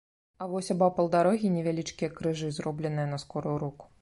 А вось абапал дарогі невялічкія крыжы, зробленыя на скорую руку.